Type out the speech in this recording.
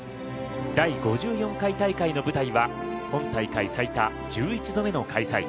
第５４回大会の舞台は本大会最多、１１度目の開催